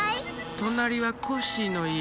となりはコッシーのいえ。